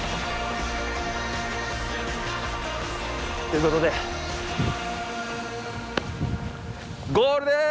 ということでゴールです。